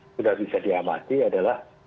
sudah bisa diamati adalah